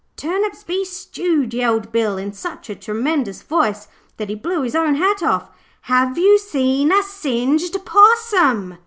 'Turnips be stewed,' yelled Bill in such a tremendous voice that he blew his own hat off. 'HAVE YOU SEEN A SINGED POSSUM?'